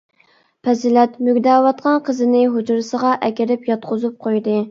پەزىلەت مۈگدەۋاتقان قىزىنى ھۇجرىسىغا ئەكىرىپ ياتقۇزۇپ قويدى.